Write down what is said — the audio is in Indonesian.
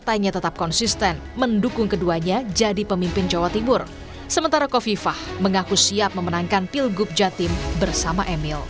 dan kami sudah komunikasi dengan koalisi indonesia maju yang seluruhnya punya calon yang sama